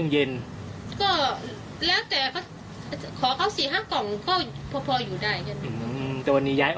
ก็ต้องไปเฝ้า